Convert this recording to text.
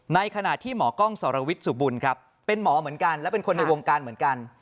ในขณะที่หมอกล้องสรวิทย์สุบุญครับเป็นหมอเหมือนกันและเป็นคนในวงการเหมือนกัน